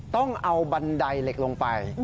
ต้องเอาบันไดเหล็กลงไป